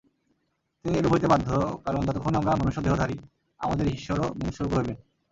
তিনি এরূপ হইতে বাধ্য, কারণ যতক্ষণ আমরা মনুষ্যদেহধারী, আমাদের ঈশ্বরও মনুষ্যরূপী হইবেন।